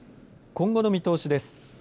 今後の見通しです。